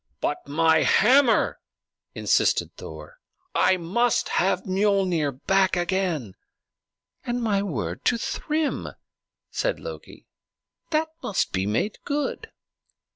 "But my hammer," insisted Thor. "I must have Miölnir back again." "And my word to Thrym," said Loki, "that must be made good."